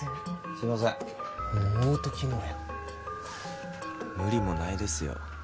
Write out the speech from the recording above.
すいませんもうオート機能やん無理もないですよ